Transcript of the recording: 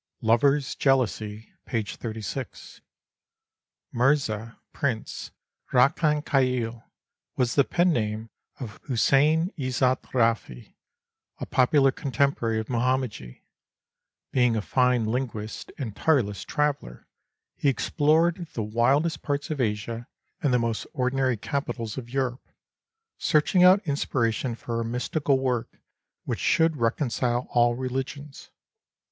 Lover's Jealousy (p. 36). Mirza (Prince) Rahchan Kayil was the pen name of Hussein Izzat Rafi, a popular contemporary of Muhammadji. Being a fine linguist and tireless traveller, he ex plored the wildest parts of Asia and the most ordinary capitals of Europe, searching out inspiration for a mystical work which should reconcile all religions.